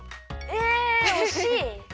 えおしい？